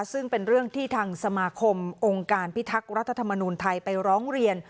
ซึ่งเป็นเรื่องที่ทางสมาคมองค์การพิทักษ์รัฐธรรมนูลไทยไปร้องเรียน